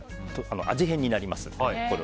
味変になります